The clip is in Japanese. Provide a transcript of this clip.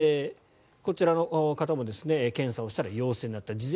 陽性判明したのでこちらの方も検査をしたら陽性になった。